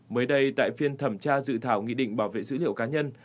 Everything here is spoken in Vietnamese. mới đây tại phiên thẩm tra dự thảo nghị định bảo vệ dữ liệu cá nhân